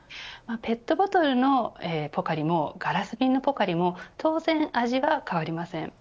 ペットボトルのポカリもガラス瓶のポカリも当然味は変わりません。